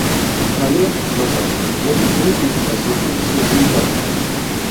Але, на жаль, водны турызм у нас знаходзіцца ў заняпадзе.